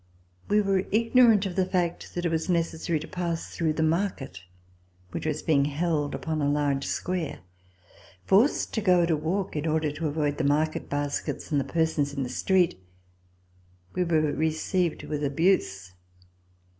We were igno rant of the fact that it was necessary to pass through the market, which was being held upon a large square. Forced to go at a walk, in order to avoid the market baskets and the persons in the street, we were re ceived with abuse.